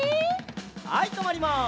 はいとまります。